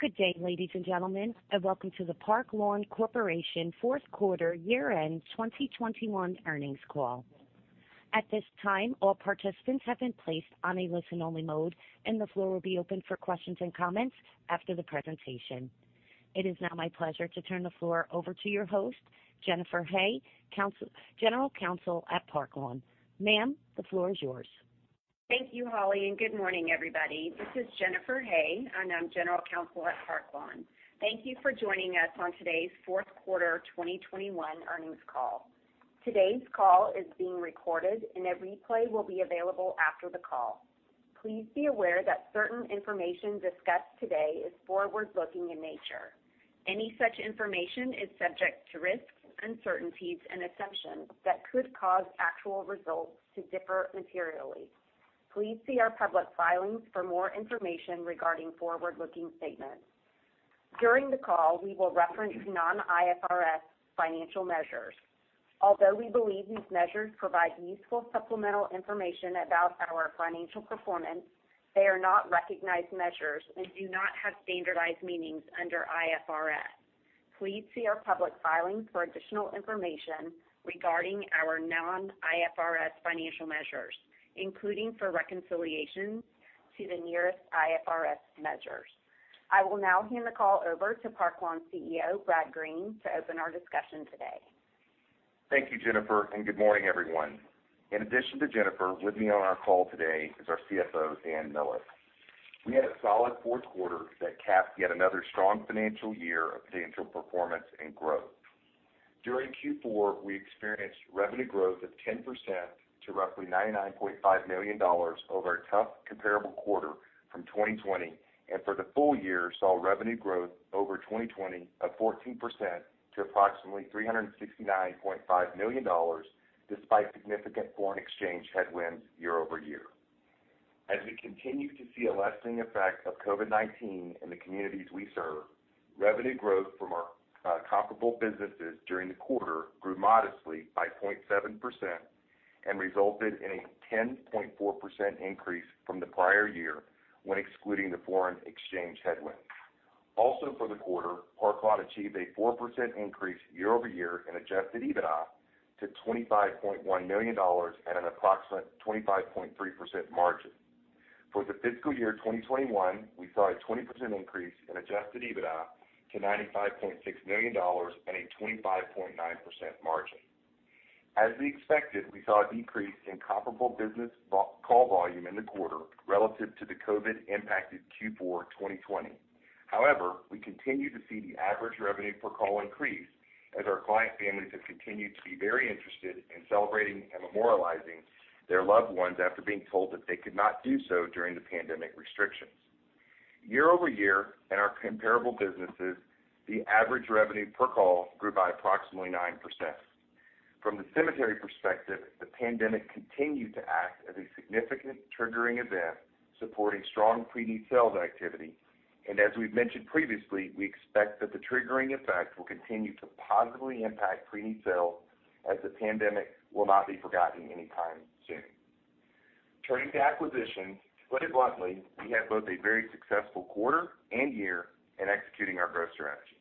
Good day, ladies and gentlemen, and welcome to the Park Lawn Corporation fourth quarter year-end 2021 earnings call. At this time, all participants have been placed on a listen-only mode, and the floor will be open for questions and comments after the presentation. It is now my pleasure to turn the floor over to your host, Jennifer Hay, General Counsel at Park Lawn. Ma'am, the floor is yours. Thank you, Holly, and good morning, everybody. This is Jennifer Hay, and I'm General Counsel at Park Lawn. Thank you for joining us on today's fourth quarter 2021 earnings call. Today's call is being recorded, and a replay will be available after the call. Please be aware that certain information discussed today is forward-looking in nature. Any such information is subject to risks, uncertainties, and assumptions that could cause actual results to differ materially. Please see our public filings for more information regarding forward-looking statements. During the call, we will reference non-IFRS financial measures. Although we believe these measures provide useful supplemental information about our financial performance, they are not recognized measures and do not have standardized meanings under IFRS. Please see our public filings for additional information regarding our non-IFRS financial measures, including for reconciliation to the nearest IFRS measures. I will now hand the call over to Park Lawn CEO, Brad Green, to open our discussion today. Thank you, Jennifer, and good morning, everyone. In addition to Jennifer, with me on our call today is our CFO, Dan Millett. We had a solid fourth quarter that capped yet another strong financial year of potential performance and growth. During Q4, we experienced revenue growth of 10% to roughly CAD $99.5 million over a tough comparable quarter from 2020, and for the full year, saw revenue growth over 2020 of 14% to approximately CAD $369.5 million, despite significant foreign exchange headwinds year over year. As we continue to see a lasting effect of COVID-19 in the communities we serve, revenue growth from our comparable businesses during the quarter grew modestly by 0.7% and resulted in a 10.4% increase from the prior year when excluding the foreign exchange headwinds. Also for the quarter, Park Lawn achieved a 4% increase year-over-year in Adjusted EBITDA to CAD $25.1 million at an approximate 25.3% margin. For the fiscal year 2021, we saw a 20% increase in Adjusted EBITDA to CAD $95.6 million and a 25.9% margin. As we expected, we saw a decrease in comparable business call volume in the quarter relative to the COVID-impacted Q4 2020. However, we continue to see the average revenue per call increase as our client families have continued to be very interested in celebrating and memorializing their loved ones after being told that they could not do so during the pandemic restrictions. Year-over-year in our comparable businesses, the average revenue per call grew by approximately 9%. From the cemetery perspective, the pandemic continued to act as a significant triggering event, supporting strong pre-need sales activity. As we've mentioned previously, we expect that the triggering effect will continue to positively impact pre-need sales as the pandemic will not be forgotten anytime soon. Turning to acquisition, to put it bluntly, we had both a very successful quarter and year in executing our growth strategy.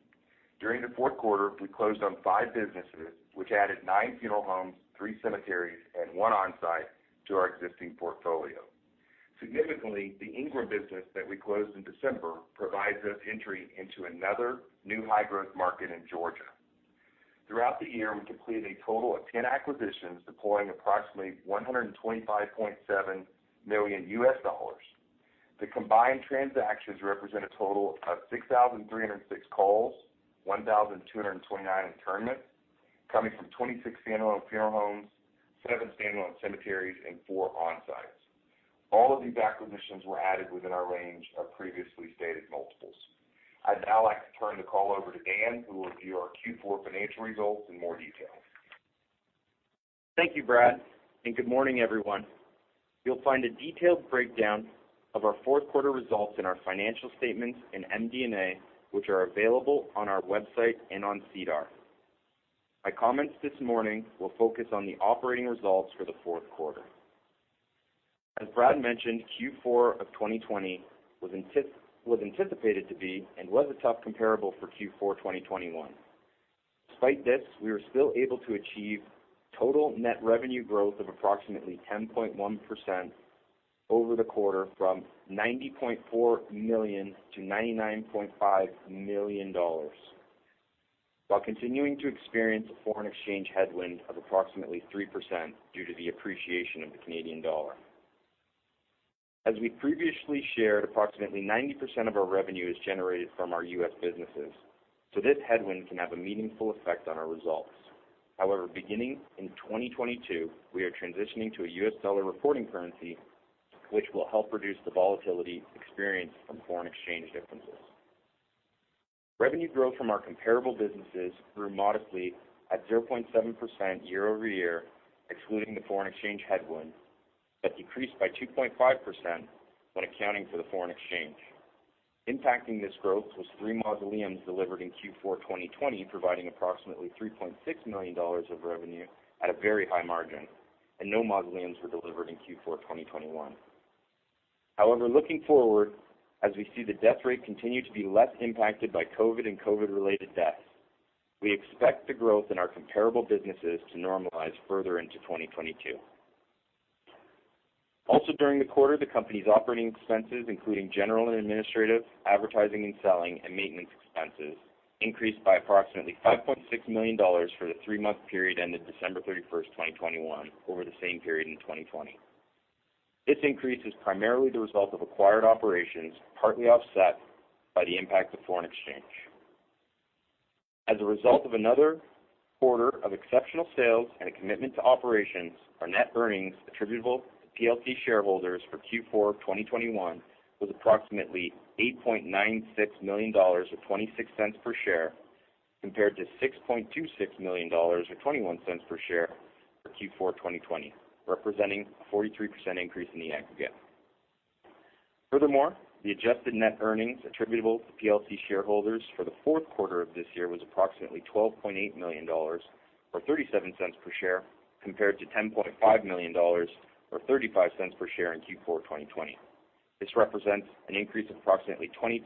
During the fourth quarter, we closed on five businesses, which added nine funeral homes, three cemeteries, and one on-site to our existing portfolio. Significantly, the Ingram business that we closed in December provides us entry into another new high-growth market in Georgia. Throughout the year, we completed a total of 10 acquisitions, deploying approximately US $125.7 million. The combined transactions represent a total of 6,306 calls, 1,229 interments, coming from 26 standalone funeral homes, seven standalone cemeteries and four on-sites. All of these acquisitions were added within our range of previously stated multiples. I'd now like to turn the call over to Dan, who will review our Q4 financial results in more detail. Thank you, Brad, and good morning, everyone. You'll find a detailed breakdown of our fourth quarter results in our financial statements in MD&A, which are available on our website and on SEDAR. My comments this morning will focus on the operating results for the fourth quarter. As Brad mentioned, Q4 of 2020 was anticipated to be and was a tough comparable for Q4 2021. Despite this, we were still able to achieve total net revenue growth of approximately 10.1% over the quarter from CAD $90.4 million-CAD $99.5 million while continuing to experience a foreign exchange headwind of approximately 3% due to the appreciation of the Canadian dollar. As we previously shared, approximately 90% of our revenue is generated from our US businesses, so this headwind can have a meaningful effect on our results. However, beginning in 2022, we are transitioning to a US dollar reporting currency, which will help reduce the volatility experienced from foreign exchange differences. Revenue growth from our comparable businesses grew modestly at 0.7% year-over-year, excluding the foreign exchange headwind, but decreased by 2.5% when accounting for the foreign exchange. Impacting this growth was three mausoleums delivered in Q4 2020, providing approximately $3.6 million of revenue at a very high margin, and no mausoleums were delivered in Q4 2021. However, looking forward, as we see the death rate continue to be less impacted by COVID and COVID-related deaths, we expect the growth in our comparable businesses to normalize further into 2022. Also, during the quarter, the company's operating expenses, including general and administrative, advertising and selling, and maintenance expenses, increased by approximately CAD $5.6 million for the three-month period ended December 31, 2021 over the same period in 2020. This increase is primarily the result of acquired operations, partly offset by the impact of foreign exchange. As a result of another quarter of exceptional sales and a commitment to operations, our net earnings attributable to PLC shareholders for Q4 2021 was approximately CAD $8.96 million, or 0.26 per share, compared to CAD $6.26 million, or 0.21 per share for Q4 2020, representing a 43% increase in the aggregate. Furthermore, the adjusted net earnings attributable to PLC shareholders for the fourth quarter of this year was approximately CAD $12.8 million or 0.37 per share compared to CAD $10.5 million, or 0.35 per share in Q4 2020. This represents an increase of approximately 22%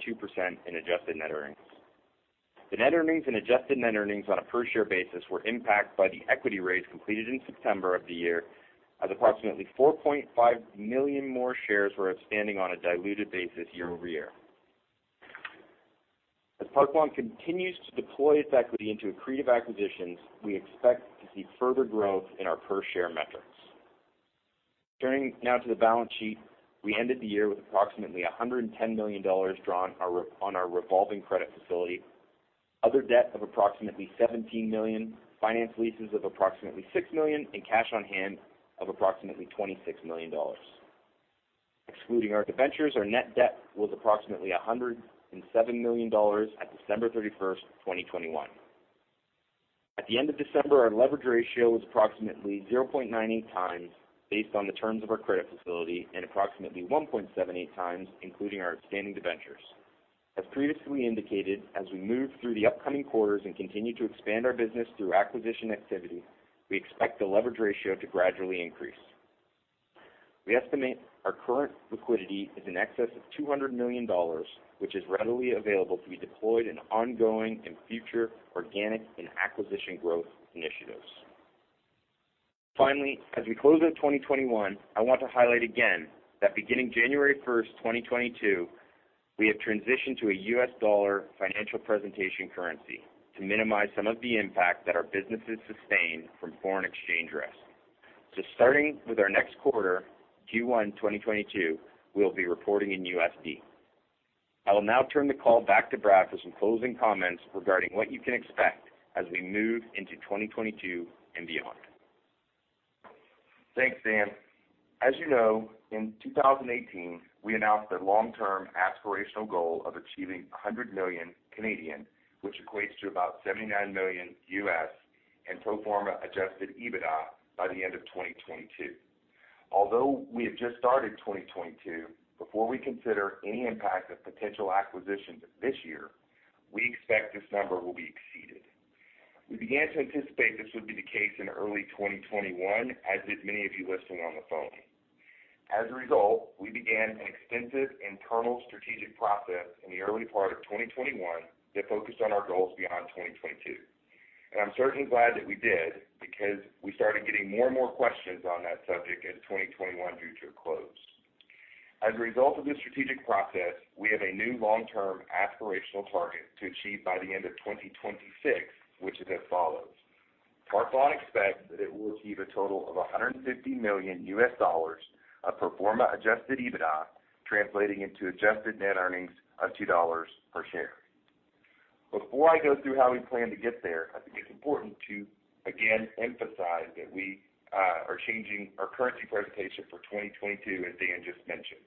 in adjusted net earnings. The net earnings and adjusted net earnings on a per share basis were impacted by the equity raise completed in September of the year as approximately 4.5 million more shares were outstanding on a diluted basis year-over-year. As Park Lawn continues to deploy its equity into accretive acquisitions, we expect to see further growth in our per share metrics. Turning now to the balance sheet. We ended the year with approximately CAD $110 million drawn on our revolving credit facility, other debt of approximately CAD $17 million, finance leases of approximately CAD $6 million, and cash on hand of approximately CAD $26 million. Excluding our debentures, our net debt was approximately CAD $107 million at December 31, 2021. At the end of December, our leverage ratio was approximately 0.98 times based on the terms of our credit facility and approximately 1.78 times including our outstanding debentures. As previously indicated, as we move through the upcoming quarters and continue to expand our business through acquisition activity, we expect the leverage ratio to gradually increase. We estimate our current liquidity is in excess of CAD $200 million, which is readily available to be deployed in ongoing and future organic and acquisition growth initiatives. Finally, as we close out 2021, I want to highlight again that beginning January 1, 2022, we have transitioned to a US dollar financial presentation currency to minimize some of the impact that our businesses sustain from foreign exchange risk. Starting with our next quarter, Q1 2022, we'll be reporting in USD. I will now turn the call back to Brad for some closing comments regarding what you can expect as we move into 2022 and beyond. Thanks, Dan. As you know, in 2018, we announced a long-term aspirational goal of achieving 100 million, which equates to about US $79 million in pro forma Adjusted EBITDA by the end of 2022. Although we have just started 2022, before we consider any impact of potential acquisitions this year, we expect this number will be exceeded. We began to anticipate this would be the case in early 2021, as did many of you listening on the phone. As a result, we began an extensive internal strategic process in the early part of 2021 that focused on our goals beyond 2022. I'm certainly glad that we did, because we started getting more and more questions on that subject as 2021 drew to a close. As a result of this strategic process, we have a new long-term aspirational target to achieve by the end of 2026, which is as follows. Park Lawn expects that it will achieve a total of US $150 million of pro forma Adjusted EBITDA, translating into Adjusted Net Earnings of $2 per share. Before I go through how we plan to get there, I think it's important to again emphasize that we are changing our currency presentation for 2022, as Dan just mentioned.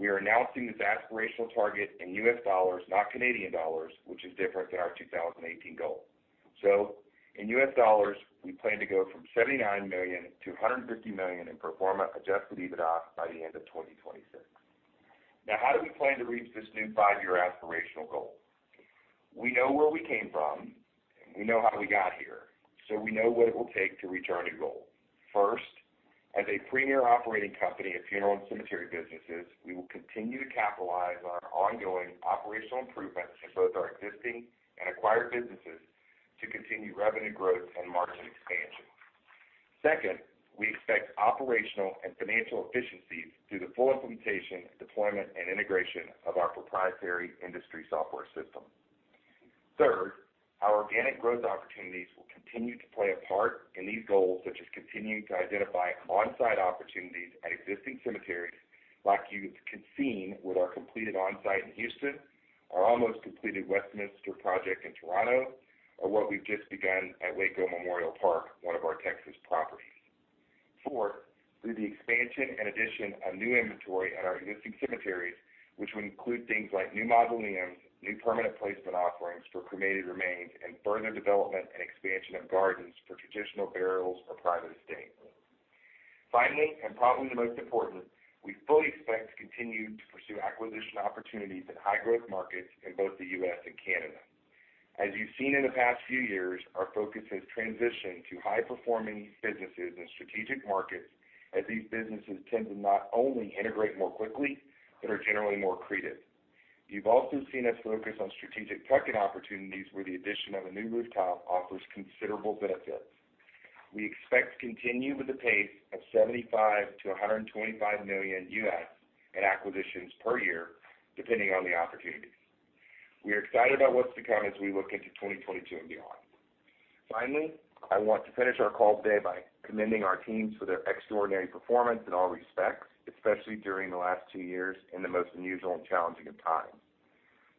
We are announcing this aspirational target in US dollars, not Canadian dollars, which is different than our 2018 goal. In US dollars, we plan to go from $79 million-$150 million in pro forma Adjusted EBITDA by the end of 2026. How do we plan to reach this new five-year aspirational goal? We know where we came from, and we know how we got here, so we know what it will take to reach our new goal. First, as a premier operating company of funeral and cemetery businesses, we will continue to capitalize on our ongoing operational improvements in both our existing and acquired businesses to continue revenue growth and margin expansion. Second, we expect operational and financial efficiencies through the full implementation, deployment, and integration of our proprietary industry software system. Third, our organic growth opportunities will continue to play a part in these goals, such as continuing to identify on-site opportunities at existing cemeteries, like you can see with our completed on-site in Houston, our almost completed Westminster project in Toronto, or what we've just begun at Waco Memorial Park, one of our Texas properties. Fourth, through the expansion and addition of new inventory at our existing cemeteries, which will include things like new mausoleums, new permanent placement offerings for cremated remains, and further development and expansion of gardens for traditional burials or private estate. Finally, and probably the most important, we fully expect to continue to pursue acquisition opportunities in high-growth markets in both the US and Canada. As you've seen in the past few years, our focus has transitioned to high-performing businesses in strategic markets, as these businesses tend to not only integrate more quickly but are generally more accretive. You've also seen us focus on strategic tuck-in opportunities where the addition of a new rooftop offers considerable benefits. We expect to continue with the pace of US $75 million-US $125 million in acquisitions per year, depending on the opportunities. We are excited about what's to come as we look into 2022 and beyond. Finally, I want to finish our call today by commending our teams for their extraordinary performance in all respects, especially during the last two years in the most unusual and challenging of times.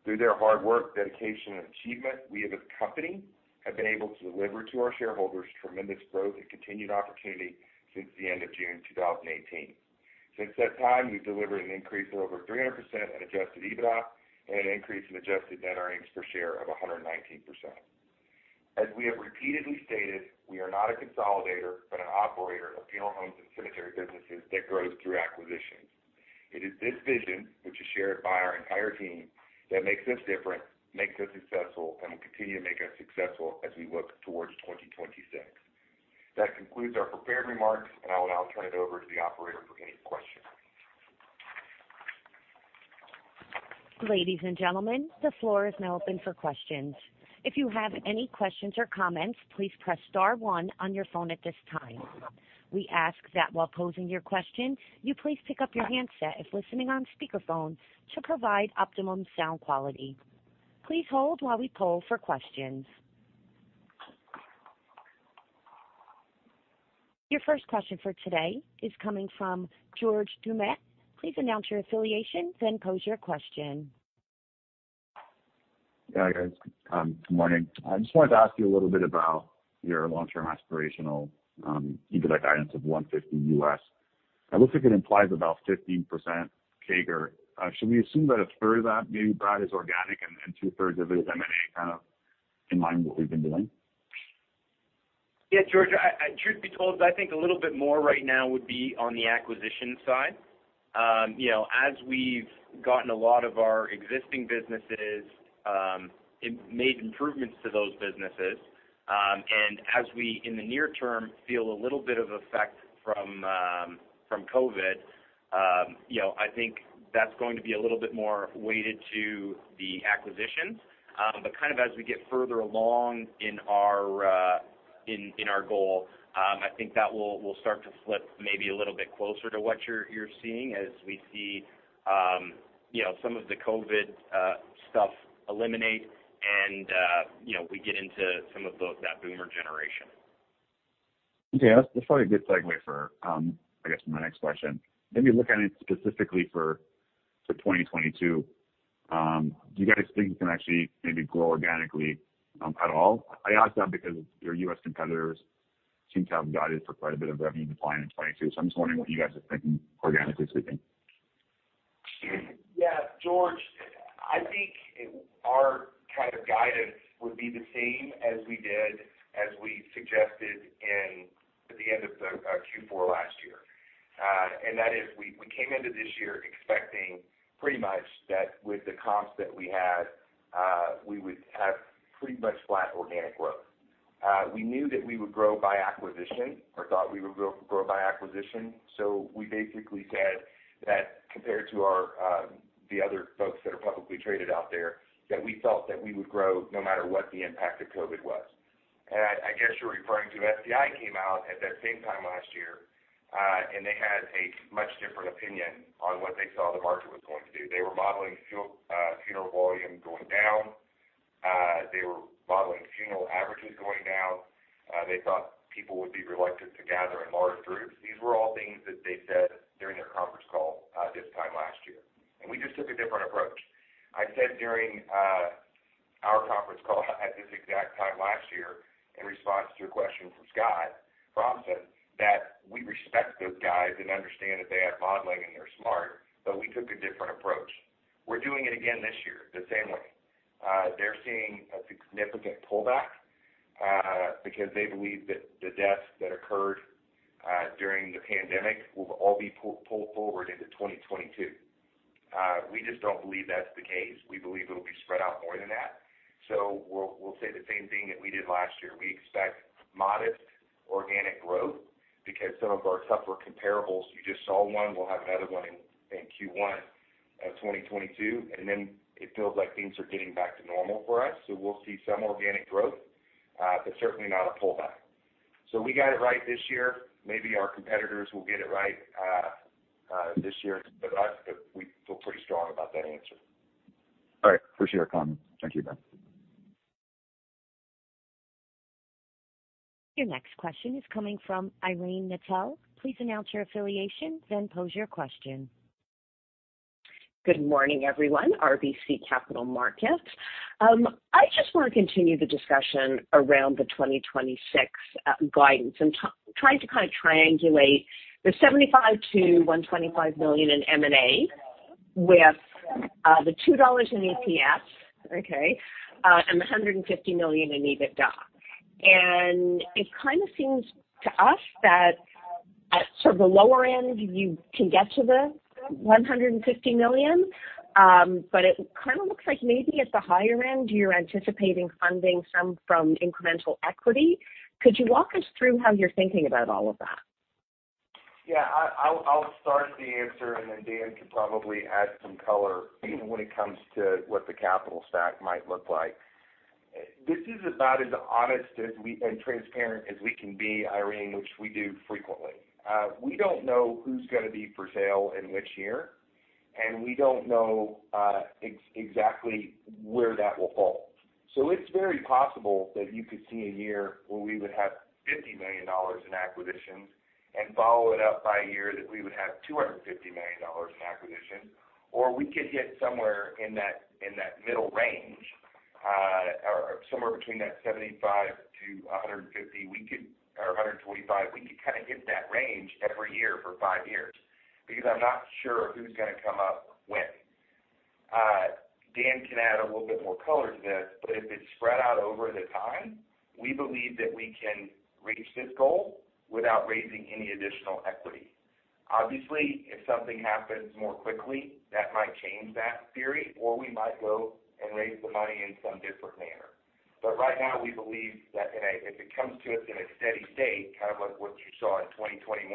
Through their hard work, dedication, and achievement, we as a company have been able to deliver to our shareholders tremendous growth and continued opportunity since the end of June 2018. Since that time, we've delivered an increase of over 300% in Adjusted EBITDA and an increase in Adjusted Net Earnings per share of 119%. As we have repeatedly stated, we are not a consolidator but an operator of funeral homes and cemetery businesses that grows through acquisitions. It is this vision, which is shared by our entire team, that makes us different, makes us successful, and will continue to make us successful as we look towards 2026. That concludes our prepared remarks, and I will now turn it over to the operator for any questions. Ladies and gentlemen, the floor is now open for questions. If you have any questions or comments, please press star one on your phone at this time. We ask that while posing your question, you please pick up your handset if listening on speakerphone to provide optimum sound quality. Please hold while we poll for questions. Your first question for today is coming from George Doumet. Please announce your affiliation, then pose your question. Yeah, guys, good morning. I just wanted to ask you a little bit about your long-term aspirational EBITDA guidance of 150 US. It looks like it implies about 15% CAGR. Should we assume that a third of that maybe, Brad, is organic and two-thirds of it is M&A kind of in line with what you've been doing? Yeah, George, truth be told, I think a little bit more right now would be on the acquisition side. You know, as we've gotten a lot of our existing businesses, made improvements to those businesses, and as we, in the near term, feel a little bit of effect from COVID, you know, I think that's going to be a little bit more weighted to the acquisitions. But kind of as we get further along in our goal, I think that will start to flip maybe a little bit closer to what you're seeing as we see, you know, some of the COVID stuff eliminate and, you know, we get into some of that boomer generation. Okay. That's probably a good segue for, I guess, my next question. Maybe looking specifically for 2022, do you guys think you can actually maybe grow organically at all? I ask that because your US competitors seem to have guided for quite a bit of revenue decline in 2022, so I'm just wondering what you guys are thinking organically speaking. Yeah, George, I think our kind of guidance would be the same as we suggested in the end of the Q4 last year. That is we came into this year expecting pretty much that with the comps that we had, we would have pretty much flat organic growth. We knew that we would grow by acquisition or thought we would grow by acquisition. We basically said that compared to our the other folks that are publicly traded out there, that we felt that we would grow no matter what the impact of COVID was. I guess you're referring to FDI came out at that same time last year, and they had a much different opinion on what they saw the market was going to do. They were modeling funeral volume going down. They were modeling funeral averages going down. They thought people would be reluctant to gather in large groups. These were all things that they said during their conference call this time last year. We just took a different approach. I said during our conference call at this exact time last year in response to a question from Scott Fromson that we respect those guys and understand that they are modeling and they're smart, but we took a different approach. We're doing it again this year, the same way. They're seeing a significant pullback because they believe that the deaths that occurred during the pandemic will all be pulled forward into 2022. We just don't believe that's the case. We believe it'll be spread out more than that. We'll say the same thing that we did last year. We expect modest organic growth because some of our tougher comparables, you just saw one, we'll have another one in Q1 of 2022, and then it feels like things are getting back to normal for us. We'll see some organic growth, but certainly not a pullback. We got it right this year. Maybe our competitors will get it right this year. Us, we feel pretty strong about that answer. All right. Appreciate your comments. Thank you, guys. Your next question is coming from Irene Nattel. Please announce your affiliation, then pose your question. Good morning, everyone. RBC Capital Markets. I just want to continue the discussion around the 2026 guidance. I'm trying to kind of triangulate the 75-125 million in M&A with the CAD two dollars in EPS and the 150 million in EBITDA. It kind of seems to us that at sort of the lower end, you can get to the 150 million, but it kind of looks like maybe at the higher end, you're anticipating funding some from incremental equity. Could you walk us through how you're thinking about all of that? Yeah, I'll start the answer, and then Dan can probably add some color when it comes to what the capital stack might look like. This is about as honest as we and transparent as we can be, Irene, which we do frequently. We don't know who's gonna be for sale in which year, and we don't know exactly where that will fall. It's very possible that you could see a year where we would have CAD $50 million in acquisitions and follow it up by a year that we would have CAD$ 250 million in acquisitions. Or we could hit somewhere in that middle range, or somewhere between CAD $75 million-CAD $150 million. We could or CAD $125 million. We could kind of hit that range every year for five years because I'm not sure who's gonna come up when. Dan can add a little bit more color to this, but if it's spread out over the time, we believe that we can reach this goal without raising any additional equity. Obviously, if something happens more quickly, that might change that theory, or we might go and raise the money in some different manner. Right now, we believe that if it comes to us in a steady state, kind of like what you saw in 2021,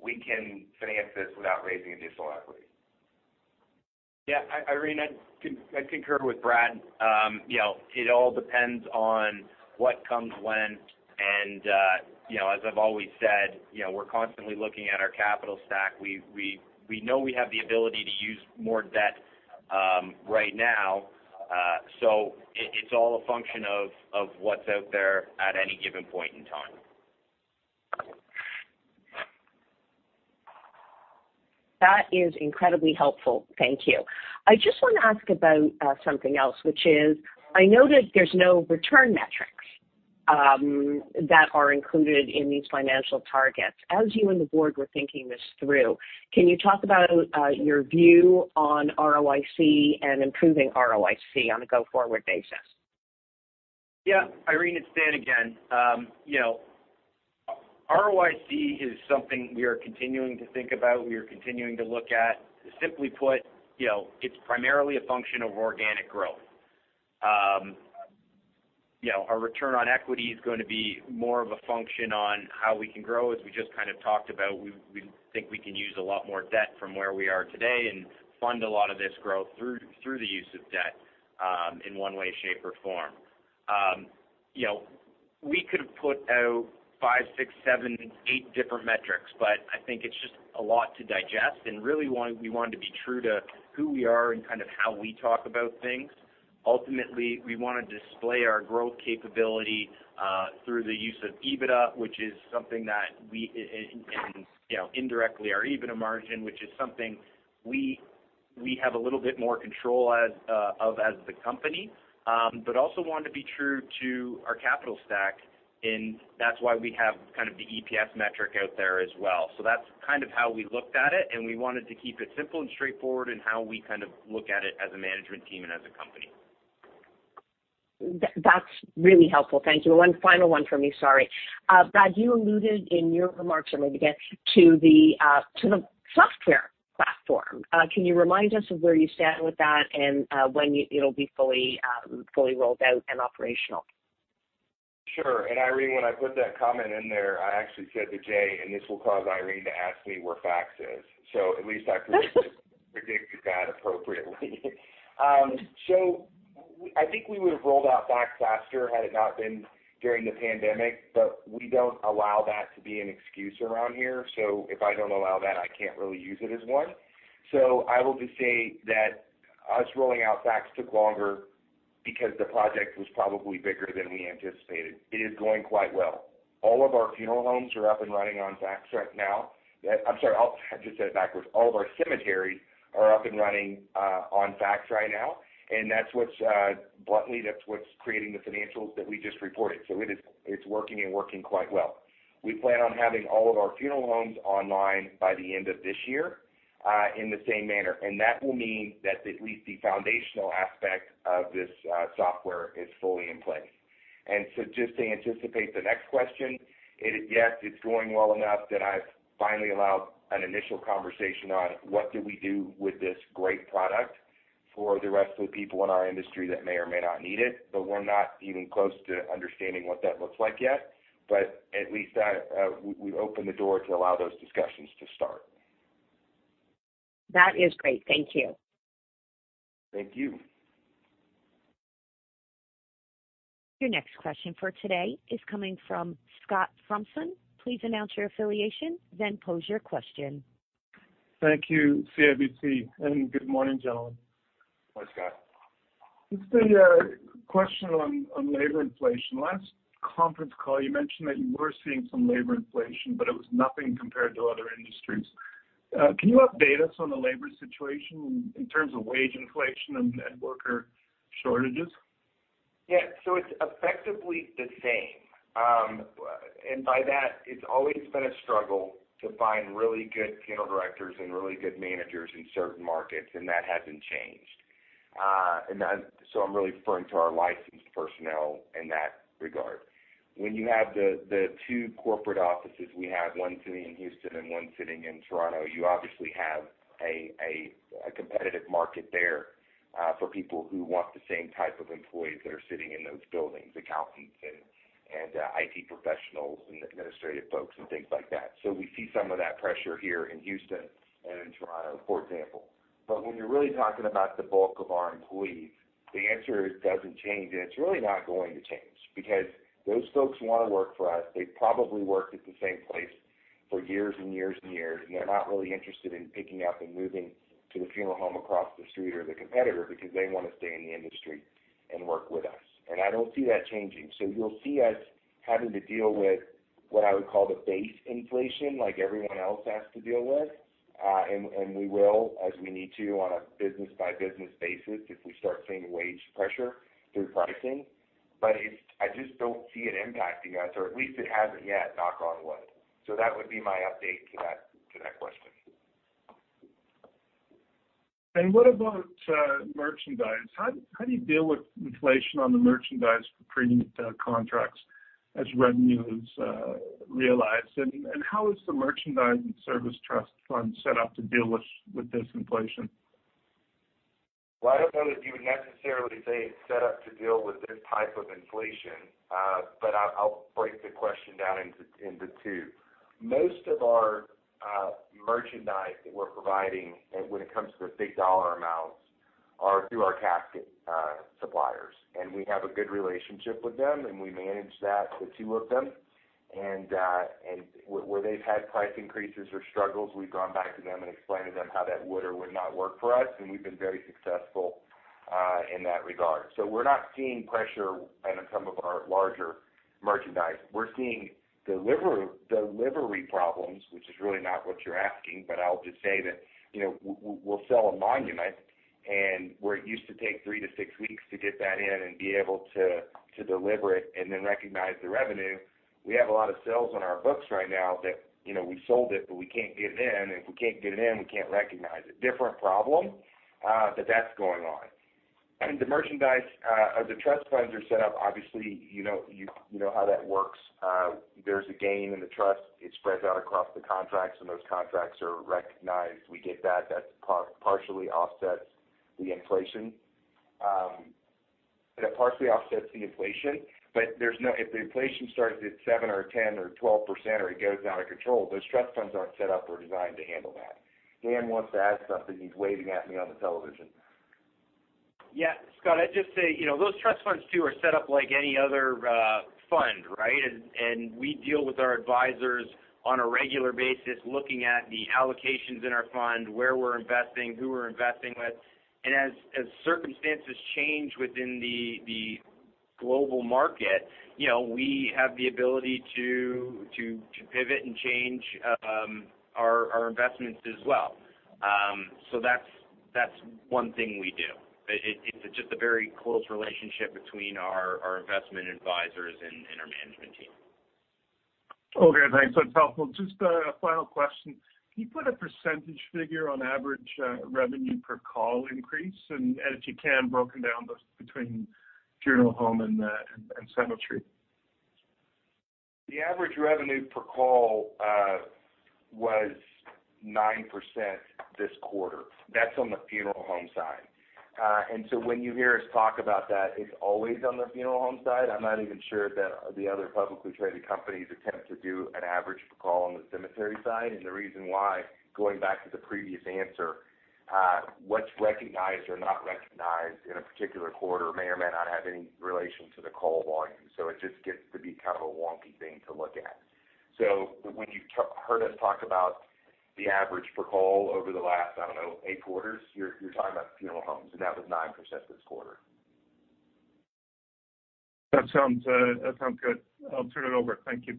we can finance this without raising additional equity. Yeah, Irene, I concur with Brad. You know, it all depends on what comes when. You know, as I've always said, you know, we're constantly looking at our capital stack. We know we have the ability to use more debt right now, so it's all a function of what's out there at any given point in time. That is incredibly helpful. Thank you. I just wanna ask about something else, which is, I noticed there's no return metrics that are included in these financial targets. As you and the board were thinking this through, can you talk about your view on ROIC and improving ROIC on a go-forward basis? Yeah, Irene, it's Dan again. You know, ROIC is something we are continuing to think about, we are continuing to look at. Simply put, you know, it's primarily a function of organic growth. You know, our return on equity is gonna be more of a function on how we can grow. As we just kind of talked about, we think we can use a lot more debt from where we are today and fund a lot of this growth through the use of debt, in one way, shape, or form. You know, we could put out five, six, seven, eight different metrics, but I think it's just a lot to digest. We wanted to be true to who we are and kind of how we talk about things. Ultimately, we wanna display our growth capability through the use of EBITDA, which is something that we, you know, indirectly our EBITDA margin, which is something we have a little bit more control as the company. But also want to be true to our capital stack, and that's why we have kind of the EPS metric out there as well. That's kind of how we looked at it, and we wanted to keep it simple and straightforward in how we kind of look at it as a management team and as a company. That's really helpful. Thank you. One final one for me, sorry. Brad, you alluded in your remarks earlier to the software platform. Can you remind us of where you stand with that and when it'll be fully rolled out and operational? Sure. Irene, when I put that comment in there, I actually said to Jay, "And this will cause Irene to ask me where FaCTS is." I predicted that appropriately. I think we would've rolled out FaCTS faster had it not been during the pandemic, but we don't allow that to be an excuse around here. If I don't allow that, I can't really use it as one. I will just say that us rolling out FaCTS took longer because the project was probably bigger than we anticipated. It is going quite well. All of our funeral homes are up and running on FaCTS right now. I'm sorry, I just said it backwards. All of our cemeteries are up and running on FaCTS right now, and that's what's bluntly creating the financials that we just reported. It's working and working quite well. We plan on having all of our funeral homes online by the end of this year in the same manner. That will mean that at least the foundational aspect of this software is fully in place. Just to anticipate the next question, yes, it's going well enough that I've finally allowed an initial conversation on what do we do with this great product for the rest of the people in our industry that may or may not need it. We're not even close to understanding what that looks like yet. At least we've opened the door to allow those discussions to start. That is great. Thank you. Thank you. Your next question for today is coming from Scott Fromson. Please announce your affiliation, then pose your question. Thank you, CIBC, and good morning, gentlemen. Hi, Scott. Just a question on labor inflation. Last conference call, you mentioned that you were seeing some labor inflation, but it was nothing compared to other industries. Can you update us on the labor situation in terms of wage inflation and worker shortages? Yeah. It's effectively the same. By that, it's always been a struggle to find really good funeral directors and really good managers in certain markets, and that hasn't changed. I'm really referring to our licensed personnel in that regard. When you have the two corporate offices we have, one sitting in Houston and one sitting in Toronto, you obviously have a competitive market there for people who want the same type of employees that are sitting in those buildings, accountants and IT professionals and administrative folks and things like that. We see some of that pressure here in Houston and in Toronto, for example. When you're really talking about the bulk of our employees, the answer doesn't change, and it's really not going to change because those folks wanna work for us. They probably worked at the same place for years and years and years, and they're not really interested in picking up and moving to the funeral home across the street or the competitor because they wanna stay in the industry and work with us. I don't see that changing. You'll see us having to deal with what I would call the base inflation like everyone else has to deal with, and we will, as we need to on a business-by-business basis, if we start seeing wage pressure through pricing. I just don't see it impacting us, or at least it hasn't yet, knock on wood. That would be my update to that question. What about merchandise? How do you deal with inflation on the merchandise pre contracts as revenue is realized? How is the merchandise and service trust fund set up to deal with this inflation? Well, I don't know that you would necessarily say it's set up to deal with this type of inflation, but I'll break the question down into two. Most of our merchandise that we're providing when it comes to the big dollar amounts are through our casket suppliers. We have a good relationship with them, and we manage the two of them. Where they've had price increases or struggles, we've gone back to them and explained to them how that would or would not work for us, and we've been very successful in that regard. We're not seeing pressure on some of our larger merchandise. We're seeing delivery problems, which is really not what you're asking, but I'll just say that, you know, we'll sell a monument and where it used to take three-six weeks to get that in and be able to deliver it and then recognize the revenue, we have a lot of sales on our books right now that, you know, we sold it, but we can't get it in, and if we can't get it in, we can't recognize it. Different problem, but that's going on. The merchandise, the trust funds are set up, obviously, you know, you know how that works. There's a gain in the trust. It spreads out across the contracts, and those contracts are recognized. We get that. That partially offsets the inflation. That partially offsets the inflation. If the inflation starts at 7% or 10% or 12% or it goes out of control, those trust funds aren't set up or designed to handle that. Dan wants to add something. He's waving at me on the television. Yeah. Scott, I'd just say, you know, those trust funds too are set up like any other fund, right? We deal with our advisors on a regular basis, looking at the allocations in our fund, where we're investing, who we're investing with. As circumstances change within the global market, you know, we have the ability to pivot and change our investments as well. That's one thing we do. It's just a very close relationship between our investment advisors and our management team. Okay, thanks. That's helpful. Just a final question. Can you put a percentage figure on average revenue per call increase, and if you can, broken down between funeral home and cemetery? The average revenue per call was 9% this quarter. That's on the funeral home side. When you hear us talk about that, it's always on the funeral home side. I'm not even sure that the other publicly traded companies attempt to do an average per call on the cemetery side. The reason why, going back to the previous answer, what's recognized or not recognized in a particular quarter may or may not have any relation to the call volume. It just gets to be kind of a wonky thing to look at. When you've heard us talk about the average per call over the last, I don't know, eight quarters, you're talking about funeral homes, and that was 9% this quarter. That sounds good. I'll turn it over. Thank you.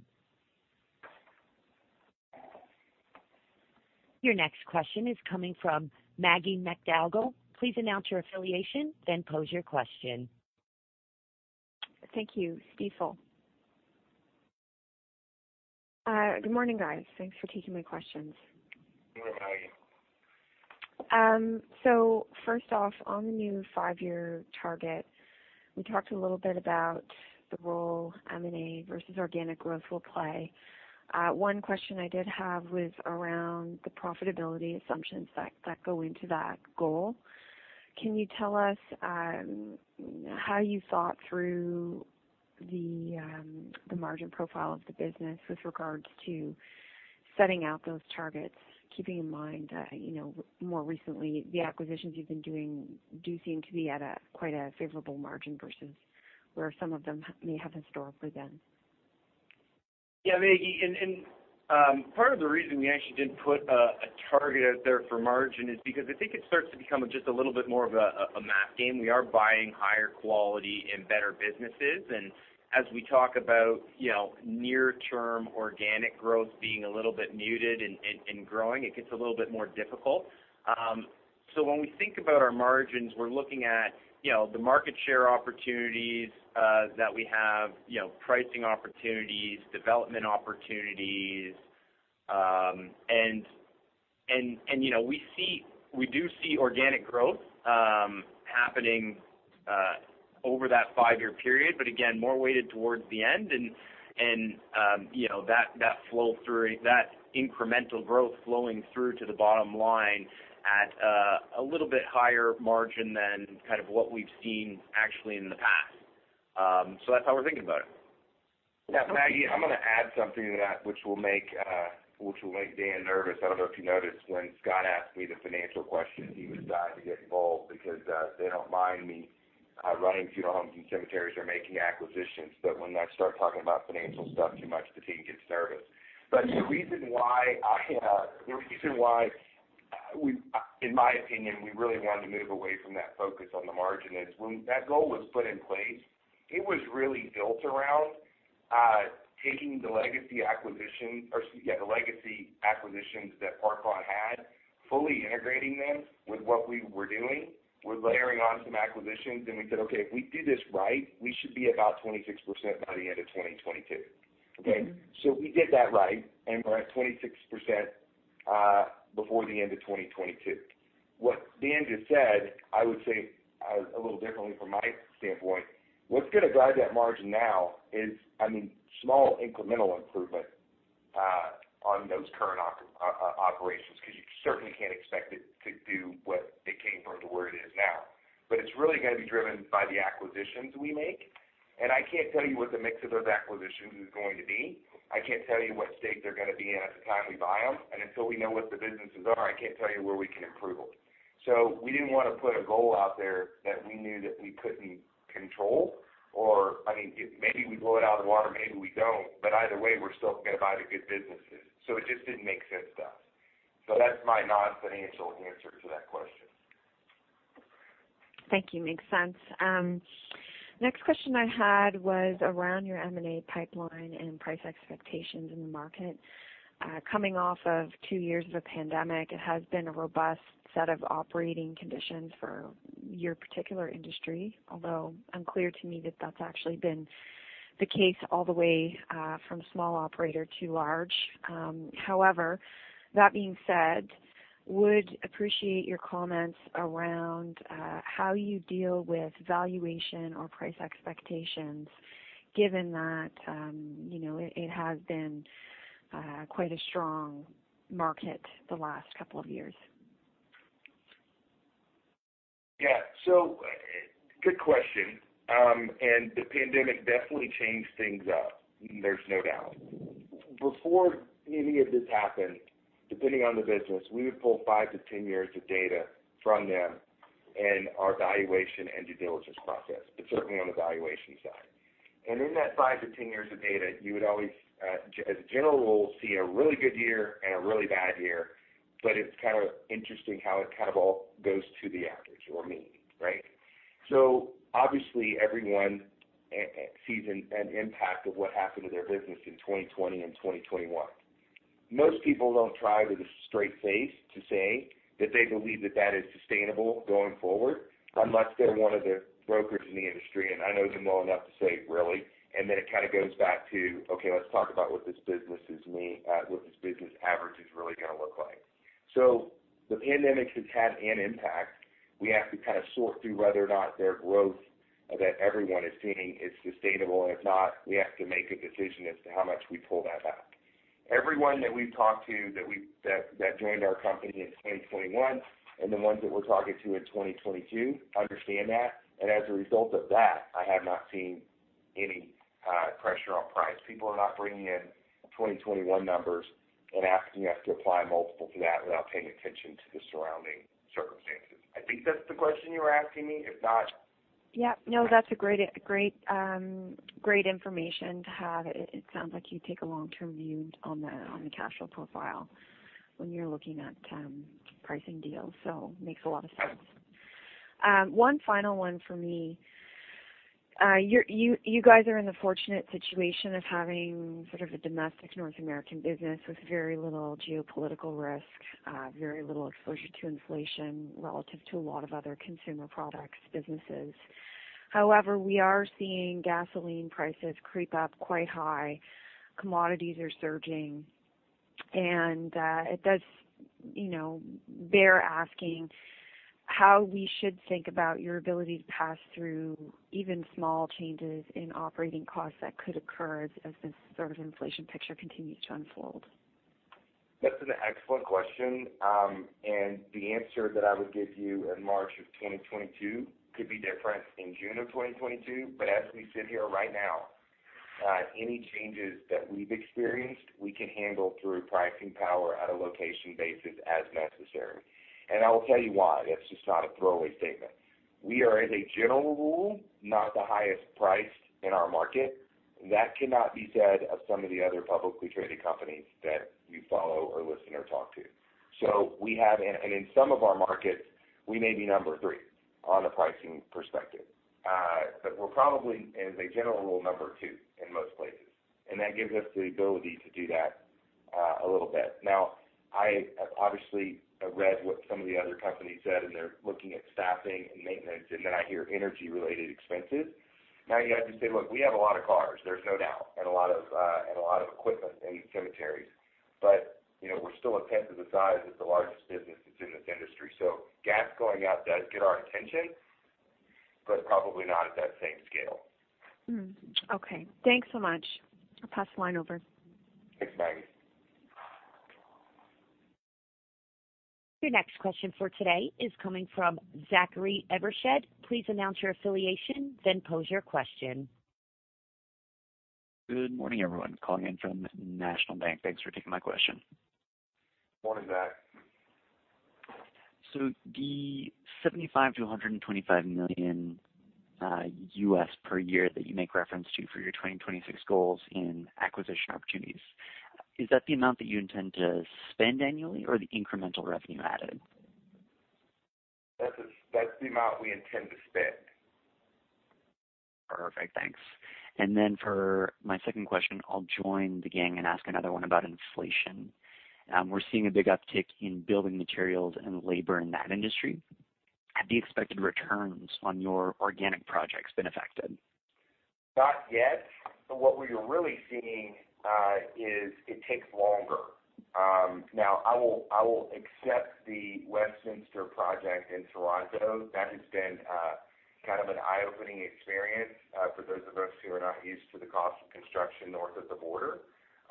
Your next question is coming from Maggie MacDougall. Please announce your affiliation, then pose your question. Thank you. Stifel. Good morning, guys. Thanks for taking my questions. Good morning, Maggie. First off, on the new five-year target, we talked a little bit about the role M&A versus organic growth will play. One question I did have was around the profitability assumptions that go into that goal. Can you tell us how you thought through the margin profile of the business with regards to setting out those targets, keeping in mind you know more recently the acquisitions you've been doing do seem to be at quite a favorable margin versus where some of them may have historically been? Yeah, Maggie. Part of the reason we actually didn't put a target out there for margin is because I think it starts to become just a little bit more of a math game. We are buying higher quality and better businesses. As we talk about, you know, near term organic growth being a little bit muted and growing, it gets a little bit more difficult. When we think about our margins, we're looking at, you know, the market share opportunities that we have, you know, pricing opportunities, development opportunities. You know, we do see organic growth happening over that five-year period, but again, more weighted towards the end and you know, that incremental growth flowing through to the bottom line at a little bit higher margin than kind of what we've seen actually in the past. That's how we're thinking about it. Yeah. Maggie, I'm gonna add something to that which will make Dan nervous. I don't know if you noticed when Scott asked me the financial question. He was dying to get involved because they don't mind me running funeral homes and cemeteries or making acquisitions. When I start talking about financial stuff too much, the team gets nervous. The reason why, in my opinion, we really wanted to move away from that focus on the margin is when that goal was put in place. It was really built around taking the legacy acquisitions that Park Lawn had, fully integrating them with what we were doing. We're layering on some acquisitions, and we said, "Okay, if we do this right, we should be about 26% by the end of 2022." Okay? We did that right, and we're at 26%, before the end of 2022. What Dan just said, I would say a little differently from my standpoint. What's gonna drive that margin now is, I mean, small incremental improvement on those current operations because you certainly can't expect it to do what it came from to where it is now. But it's really gonna be driven by the acquisitions we make, and I can't tell you what the mix of those acquisitions is going to be I can't tell you what state they're gonna be in at the time we buy them. Until we know what the businesses are, I can't tell you where we can improve them. We didn't wanna put a goal out there that we knew that we couldn't control. I mean, maybe we blow it out of the water, maybe we don't, but either way, we're still gonna buy the good businesses. It just didn't make sense to us. That's my non-financial answer to that question. Thank you. Makes sense. Next question I had was around your M&A pipeline and price expectations in the market. Coming off of two years of a pandemic, it has been a robust set of operating conditions for your particular industry, although unclear to me that that's actually been the case all the way from small operator to large. However, that being said, would appreciate your comments around how you deal with valuation or price expectations given that, you know, it has been quite a strong market the last couple of years. Yeah. Good question. The pandemic definitely changed things up. There's no doubt. Before any of this happened, depending on the business, we would pull five to 10 years of data from them in our valuation and due diligence process, but certainly on the valuation side. In that five to 10 years of data, you would always, as a general rule, see a really good year and a really bad year, but it's kind of interesting how it kind of all goes to the average or mean, right? Obviously, everyone sees an impact of what happened to their business in 2020 and 2021. Most people don't try with a straight face to say that they believe that that is sustainable going forward unless they're one of their brokers in the industry, and I know them well enough to say, "Really?" Then it kinda goes back to, okay, let's talk about what this business average is really gonna look like. The pandemic has had an impact. We have to kind of sort through whether or not their growth that everyone is seeing is sustainable. If not, we have to make a decision as to how much we pull that back. Everyone that we've talked to that joined our company in 2021 and the ones that we're talking to in 2022 understand that. As a result of that, I have not seen any pressure on price. People are not bringing in 2021 numbers and asking us to apply a multiple to that without paying attention to the surrounding circumstances. I think that's the question you were asking me. If not- Yeah. No, that's a great information to have. It sounds like you take a long-term view on the cash flow profile when you're looking at pricing deals. Makes a lot of sense. One final one for me. You guys are in the fortunate situation of having sort of a domestic North American business with very little geopolitical risk, very little exposure to inflation relative to a lot of other consumer products businesses. However, we are seeing gasoline prices creep up quite high. Commodities are surging, and it does, you know, bear asking how we should think about your ability to pass through even small changes in operating costs that could occur as this sort of inflation picture continues to unfold. That's an excellent question. The answer that I would give you in March of 2022 could be different in June of 2022. As we sit here right now, any changes that we've experienced, we can handle through pricing power at a location basis as necessary. I will tell you why. It's just not a throwaway statement. We are, as a general rule, not the highest price in our market. That cannot be said of some of the other publicly traded companies that you follow or listen or talk to. We have, and in some of our markets, we may be number three on a pricing perspective. We're probably, as a general rule, number two in most places, and that gives us the ability to do that, a little bit. Now, I have obviously read what some of the other companies said, and they're looking at staffing and maintenance, and then I hear energy-related expenses. Now, you have to say, look, we have a lot of cars, there's no doubt, and a lot of equipment in cemeteries. But, you know, we're still a tenth of the size of the largest business that's in this industry. So gas going up does get our attention, but probably not at that same scale. Okay. Thanks so much. I'll pass the line over. Thanks, Maggie. Your next question for today is coming from Zachary Evershed. Please announce your affiliation, then pose your question. Good morning, everyone. Calling in from National Bank. Thanks for taking my question. Morning, Zach. The $75 million-$125 million US per year that you make reference to for your 2026 goals in acquisition opportunities, is that the amount that you intend to spend annually or the incremental revenue added? That's the amount we intend to spend. Perfect. Thanks. For my second question, I'll join the gang and ask another one about inflation. We're seeing a big uptick in building materials and labor in that industry. Have the expected returns on your organic projects been affected? Not yet. What we are really seeing is it takes longer. Now I will accept the Westminster project in Toronto. That has been kind of an eye-opening experience for those of us who are not used to the cost of construction north of the border.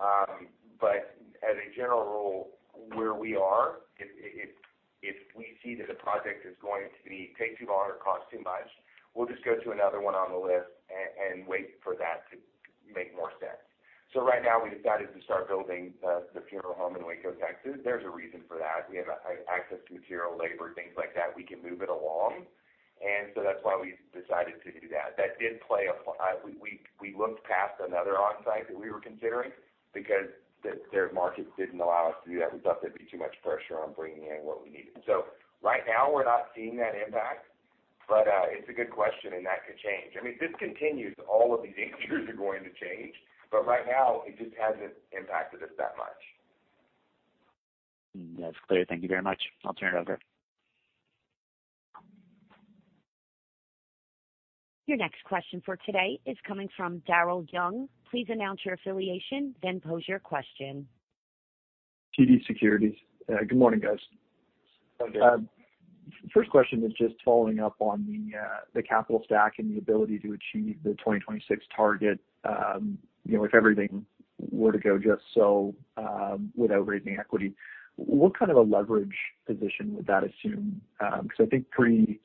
As a general rule, where we are, if we see that a project is going to take too long or cost too much, we'll just go to another one on the list and wait for that to make more sense. Right now we decided to start building the funeral home in Waco, Texas. There's a reason for that. We have access to material, labor, things like that. We can move it along. That's why we decided to do that. We looked past another on-site that we were considering because their markets didn't allow us to do that. We thought there'd be too much pressure on bringing in what we needed. Right now, we're not seeing that impact, but it's a good question, and that could change. I mean, if this continues, all of these answers are going to change. Right now, it just hasn't impacted us that much. That's clear. Thank you very much. I'll turn it over. Your next question for today is coming from Darryl Young. Please announce your affiliation, then pose your question. TD Securities. Good morning, guys. Hi, Daryl. First question is just following up on the capital stack and the ability to achieve the 2026 target, you know, if everything were to go just so, without raising equity. What kind of a leverage position would that assume? Because I think pre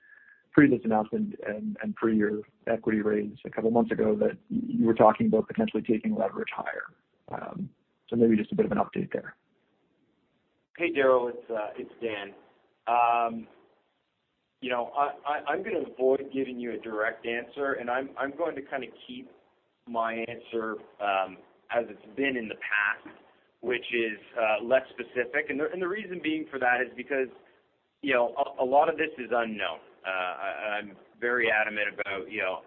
this announcement and pre your equity raise a couple months ago that you were talking about potentially taking leverage higher. So maybe just a bit of an update there. Hey, Daryl. It's Dan. You know, I’m gonna avoid giving you a direct answer, and I’m going to kinda keep my answer as it's been in the past, which is less specific. The reason being for that is because you know, a lot of this is unknown. I’m very adamant about you know,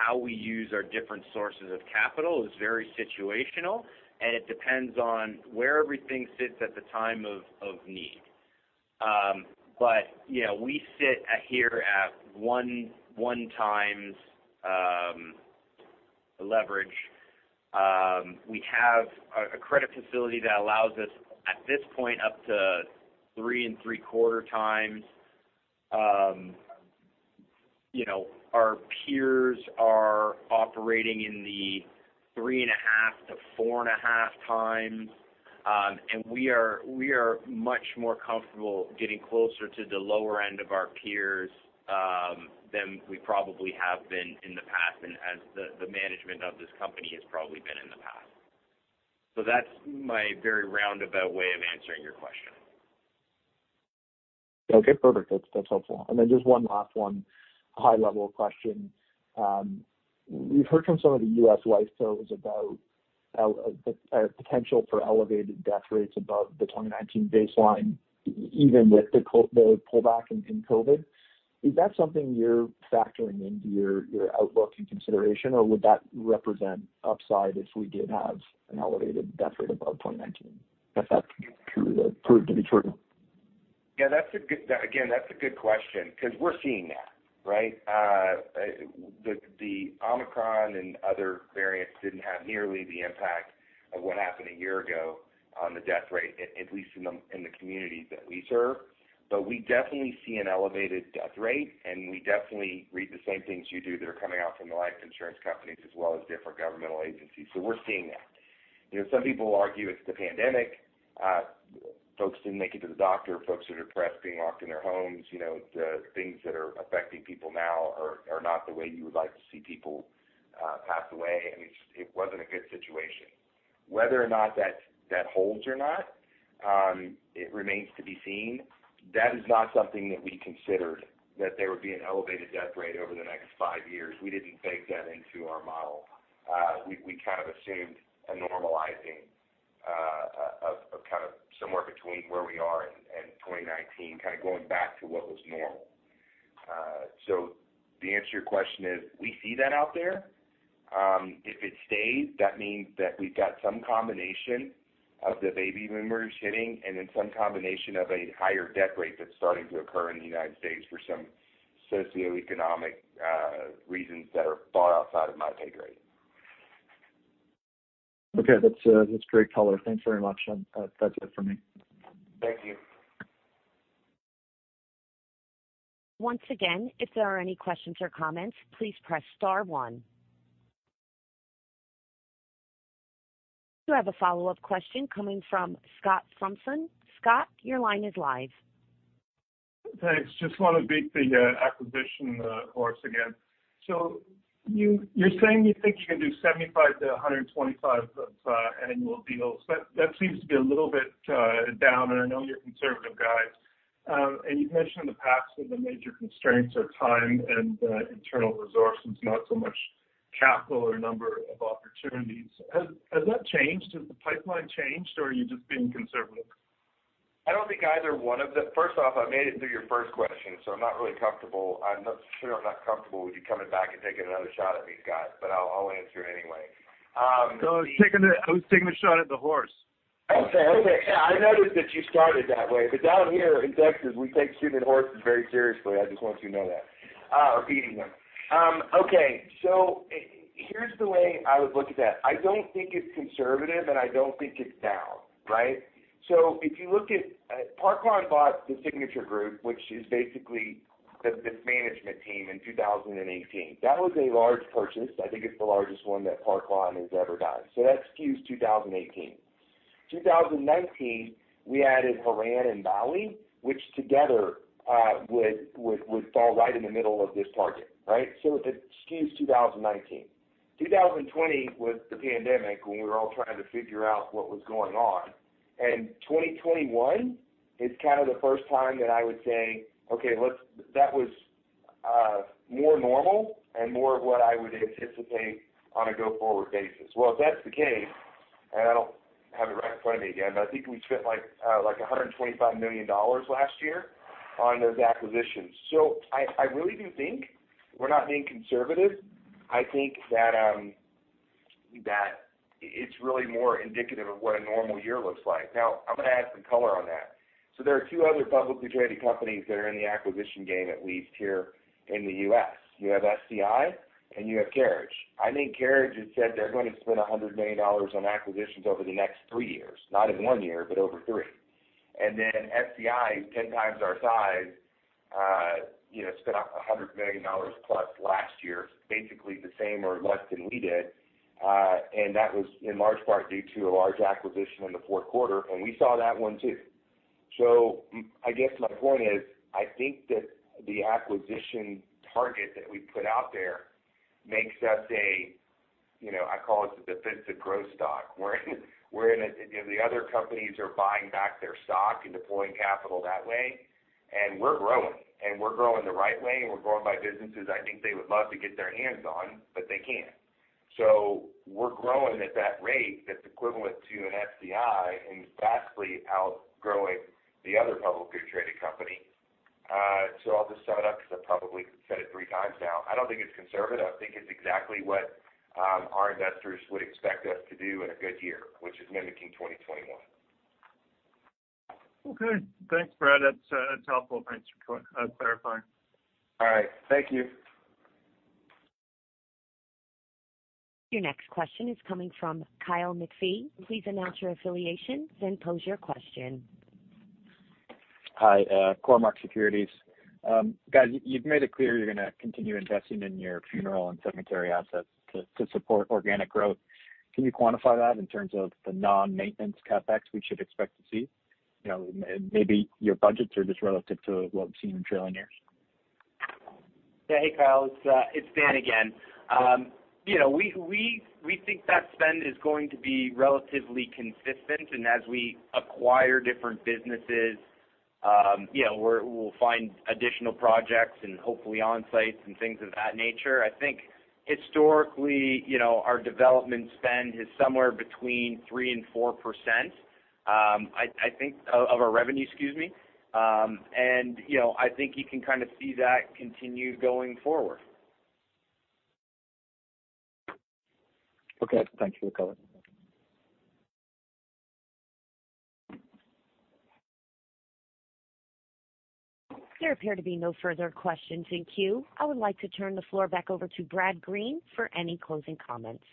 how we use our different sources of capital is very situational, and it depends on where everything sits at the time of need. You know, we sit here at 1x leverage. We have a credit facility that allows us, at this point, up to 3.75x. You know, our peers are operating in the 3.5x-4.5x. We are much more comfortable getting closer to the lower end of our peers than we probably have been in the past and as the management of this company has probably been in the past. That's my very roundabout way of answering your question. Okay, perfect. That's helpful. Then just one last high-level question. We've heard from some of the US lifers about the potential for elevated death rates above the 2019 baseline, even with the pullback in COVID. Is that something you're factoring into your outlook and consideration, or would that represent upside if we did have an elevated death rate above 2019, if that proved to be true? Again, that's a good question because we're seeing that, right? The Omicron and other variants didn't have nearly the impact of what happened a year ago on the death rate, at least in the communities that we serve. But we definitely see an elevated death rate, and we definitely read the same things you do that are coming out from the life insurance companies as well as different governmental agencies. We're seeing that. You know, some people argue it's the pandemic. Folks didn't make it to the doctor, folks are depressed being locked in their homes. You know, the things that are affecting people now are not the way you would like to see people pass away. I mean, it wasn't a good situation. Whether or not that holds or not, it remains to be seen. That is not something that we considered that there would be an elevated death rate over the next five years. We didn't bake that into our model. We kind of assumed a normalizing of kind of somewhere between where we are and 2019, kind of going back to what was normal. The answer to your question is we see that out there. If it stays, that means that we've got some combination of the baby boomers hitting and then some combination of a higher death rate that's starting to occur in the US for some socioeconomic reasons that are far outside of my pay grade. Okay. That's great color. Thanks very much. That's it for me. Thank you. Once again, if there are any questions or comments, please press star one. You have a follow-up question coming from Scott Fromson. Scott, your line is live. Thanks. Just wanna beat the acquisition horse again. You, you're saying you think you can do 75-125 per annual deals. That seems to be a little bit down, and I know you're a conservative guy. You've mentioned in the past that the major constraints are time and internal resources, not so much capital or number of opportunities. Has that changed? Has the pipeline changed, or are you just being conservative? I don't think either one of them. First off, I made it through your first question, so I'm not comfortable with you coming back and taking another shot at me, Scott, but I'll answer anyway. No, I was taking the shot at the horse. I noticed that you started that way, but down here in Texas, we take shooting horses very seriously. I just want you to know that. Or beating them. Here's the way I would look at that. I don't think it's conservative, and I don't think it's down, right? If you look at Park Lawn bought the Signature Group, which is basically this management team in 2018. That was a large purchase. I think it's the largest one that Park Lawn has ever done. That skews 2018. 2019, we added Horan & McConaty and Baue which together would fall right in the middle of this target, right? It skews 2019. 2020 was the pandemic when we were all trying to figure out what was going on, and 2021 is kind of the first time that I would say, "Okay, that was more normal and more of what I would anticipate on a go-forward basis." Well, if that's the case, and I don't have it right in front of me again, but I think we spent, like, $125 million last year on those acquisitions. I really do think we're not being conservative. I think that it's really more indicative of what a normal year looks like. Now, I'm gonna add some color on that. There are two other publicly traded companies that are in the acquisition game, at least here in the US. You have SCI, and you have Carriage, I think Carriage has said they're going to spend $.100 million on acquisitions over the next three years. Not in one year, but over three. SCI is 10 times our size, you know, spent $100 million plus last year, basically the same or less than we did, and that was in large part due to a large acquisition in the fourth quarter, and we saw that one too. I guess my point is, I think that the acquisition target that we put out there makes us a, you know, I call us a defensive growth stock. We're in a, you know, the other companies are buying back their stock and deploying capital that way, and we're growing, and we're growing the right way, and we're growing by businesses I think they would love to get their hands on, but they can't. We're growing at that rate that's equivalent to an SCI and vastly outgrowing the other publicly traded company. I'll just sum it up because I probably said it three times now. I don't think it's conservative. I think it's exactly what our investors would expect us to do in a good year, which is mimicking 2021. Okay. Thanks, Brad. That's helpful. Thanks for clarifying. All right. Thank you. Your next question is coming from Kyle McPhee. Please announce your affiliation, then pose your question, Hi. Cormark Securities. Guys, you've made it clear you're gonna continue investing in your funeral and cemetery assets to support organic growth. Can you quantify that in terms of the non-maintenance CapEx we should expect to see? You know, maybe your budgets are just relative to what we've seen in trailing years. Yeah. Hey, Kyle, it's Dan again. You know, we think that spend is going to be relatively consistent, and as we acquire different businesses, you know, we'll find additional projects and hopefully on-site and things of that nature. I think historically, you know, our development spend is somewhere between 3%-4% of our revenue, excuse me. You know, I think you can kind of see that continue going forward. Okay. Thank you for the color. There appear to be no further questions in queue. I would like to turn the floor back over to Brad Green for any closing comments.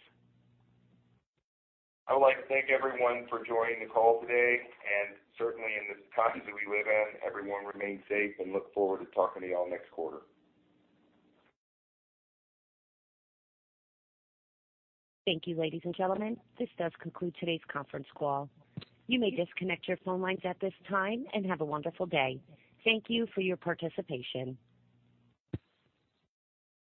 I would like to thank everyone for joining the call today, and certainly, in the times that we live in, everyone remain safe and look forward to talking to you all next quarter. Thank you, ladies and gentlemen. This does conclude today's conference call. You may disconnect your phone lines at this time, and have a wonderful day. Thank you for your participation.